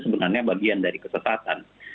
sebenarnya bagian dari kesesatan